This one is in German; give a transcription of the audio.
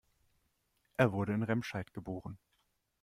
Er wurde in Remscheid geboren